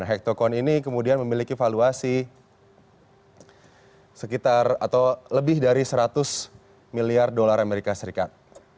hektakon ini kemudian memiliki valuasi sekitar atau lebih dari seratus miliar usd